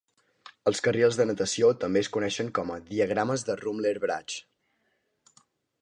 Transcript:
Els carrils de natació també es coneixen com "Diagrames de Rummler-Brache".